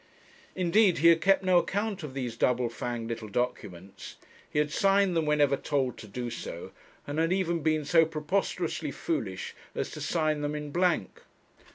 Indeed he had kept no account of these double fanged little documents; he had signed them whenever told to do so, and had even been so preposterously foolish as to sign them in blank.